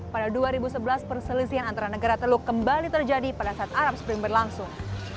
pada dua ribu sebelas perselisihan antara negara teluk kembali terjadi pada saat arab spring berlangsung